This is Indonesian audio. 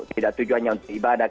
tidak tujuannya untuk ibadah